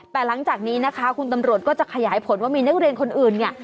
แต่หลังจากนี้นะคะคุณตำรวจก็จะขยายผลว่ามีนักเรียนคนอื่นเนี่ย